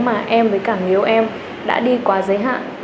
mà em với cả người yêu em đã đi quá giới hạn